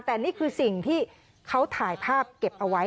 แต่นี่คือสิ่งที่เขาถ่ายภาพเก็บเอาไว้